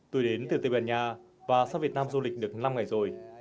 tôi đến từ tây ban nha và sang việt nam du lịch được năm ngày rồi